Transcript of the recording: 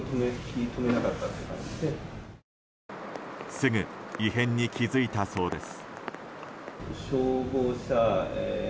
すぐ異変に気付いたそうです。